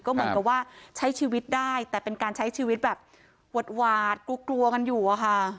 เหมือนกับว่าใช้ชีวิตได้แต่เป็นการใช้ชีวิตแบบหวาดกลัวกลัวกันอยู่อะค่ะ